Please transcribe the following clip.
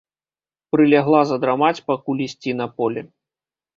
Прылягла задрамаць, пакуль ісці на поле.